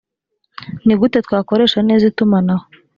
nigute twakoresha neza itumanaho